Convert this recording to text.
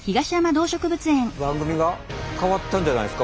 番組が変わったんじゃないですか？